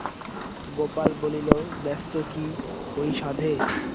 গোপাল বলিল, ব্যস্ত কি হই সাধে?